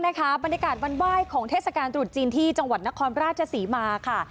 บรรยากาศวันไหว้ของเทศกาลตรุษจีนที่จังหวัดนครราชศรีมาค่ะ